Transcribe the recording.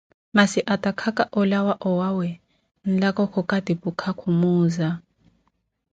Masi, atakhaka olaawo owawe, nlako khukatipukha, khumuuza.